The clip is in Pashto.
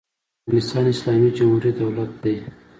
افغانستان د اسلامي جمهوري دولت دی.